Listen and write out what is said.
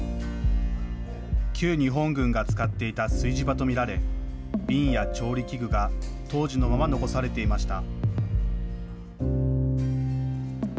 旧日本軍が使っていた炊事場と見られ、瓶や調理器具が当時のまま残されていました。